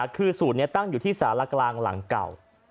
คือสูตรนี้ตั้งอยู่ที่สารกลางหลังเก่า